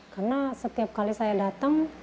karena setiap kali saya datang